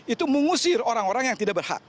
itu mengusir orang orang yang tidak berhak